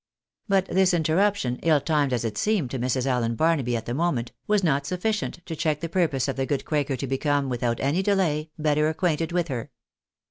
But this interruption, ill timed as it seemed to Mrs. Allen Bar naby at the moment, was not sufficient to check the purpose of the good quaker to become, without any delay, better acquainted with her.